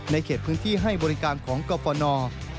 ในเขตพื้นที่ให้บริการของกอฟอร์นอร์